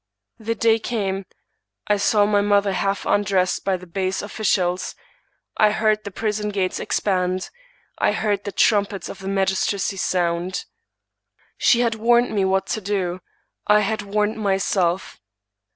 The day came : I saw my mother half undressed by the base officials ; I heard the prison gates expand ; I heard the trum pets of the magistracy sound. She had warned me what to do ; I had warned myself.